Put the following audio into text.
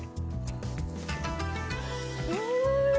うん！